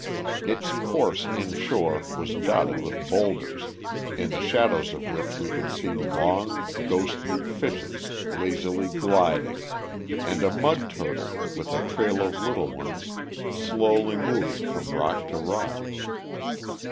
Its course inshore was dotted with boulders, in the shadows of which we could see long ghostly fishes lazily gliding, and a mud turtle, with a trail of little ones, slowly moving from rock to rock.